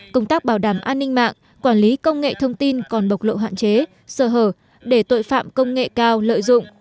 công tác bảo đảm an ninh mạng quản lý công nghệ thông tin còn bộc lộ hạn chế sờ hở để tội phạm công nghệ cao lợi dụng